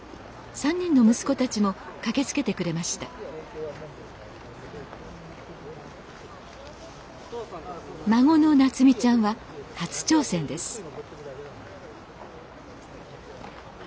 ３人の息子たちも駆けつけてくれました孫のなつみちゃんは初挑戦です